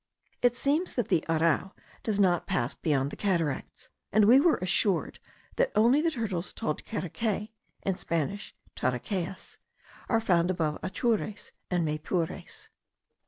It seems that the arrau does not pass beyond the cataracts; and we were assured, that only the turtles called terekay, (in Spanish terecayas,) are found above Atures and Maypures.